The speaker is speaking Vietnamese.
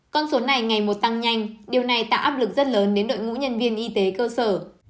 con số này ngày một tăng nhanh điều này tạo áp lực rất lớn đến đội ngũ nhân viên y tế cơ sở